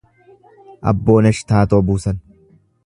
Abbooneesh Taatoo Buusan